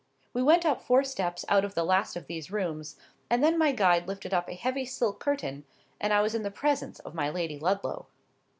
We went up four steps out of the last of these rooms, and then my guide lifted up a heavy silk curtain and I was in the presence of my Lady Ludlow.